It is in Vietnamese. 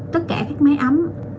tất cả các máy ấm